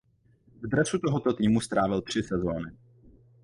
V dresu tohoto týmu strávil tři sezony.